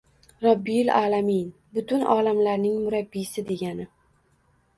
«Robbil a'lamiyn» – butun olamlarning murabbiysi degani